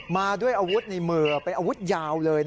มาด้วยอาวุธในมือเป็นอาวุธยาวเลย